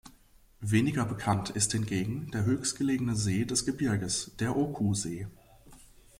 Weniger bekannt ist hingegen der höchstgelegene See des Gebirges, der Oku-See.